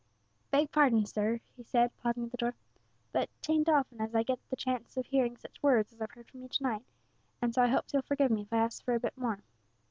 "Beg pardon, sir," he said, pausing at the door, "but 'tain't often as I gets the chance of hearing such words as I've heard from you to night, and so I hopes you'll forgive me if I asks for a bit more.